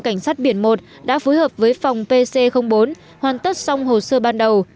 cảnh sát biển một đã phối hợp với phòng pc bốn hoàn tất xong hồ sơ ban đầu